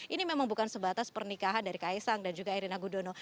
ini memang bukan sebatas pernikahan dari kaisang dan juga erina gudono